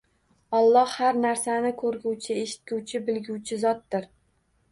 Alloh har narsani ko'rguvchi, eshitguvchi, bilguvchi zotdir.